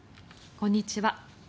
こんにちは。